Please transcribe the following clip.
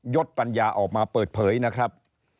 ศปัญญาออกมาเปิดเผยนะครับ